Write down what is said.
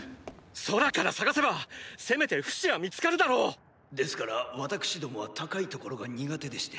空から捜せばせめてフシは見つかるだろう！ですから私どもは高い所が苦手でして。